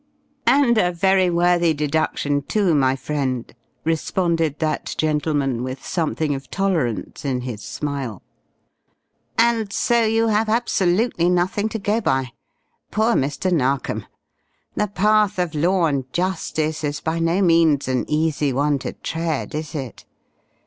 "And a very worthy deduction too, my friend," responded that gentleman, with something of tolerance in his smile. "And so you have absolutely nothing to go by. Poor Mr. Narkom! The path of Law and Justice is by no means an easy one to tread, is it?